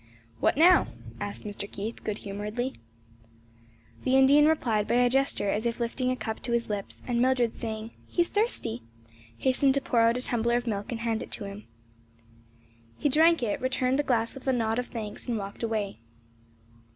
"What now?" asked Mr. Keith, good humoredly. The Indian replied by a gesture as if lifting a cup to his lips; and Mildred saying, "He's thirsty," hastened to pour out a tumbler of milk and hand it to him. He drank it, returned the glass with a nod of thanks and walked away.